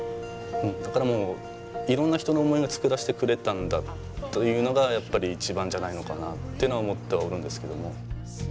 だからもういろんな人の思いが造らしてくれたんだというのがやっぱり一番じゃないのかなっていうのは思ってはおるんですけども。